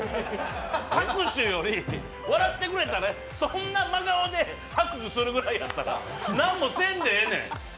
拍手より笑ってくれたらそんな真顔で拍手するぐらいやったら、何もせんでええねん！